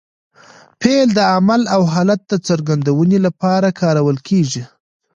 فعل د عمل او حالت د څرګندوني له پاره کارول کېږي.